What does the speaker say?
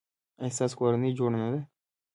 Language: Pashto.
ایا ستاسو کورنۍ جوړه نه ده؟